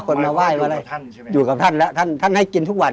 คนมาไหว้ว่าอะไรอยู่กับท่านใช่ไหมอยู่กับท่านแล้วท่านท่านให้กินทุกวัน